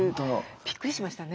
びっくりしましたね。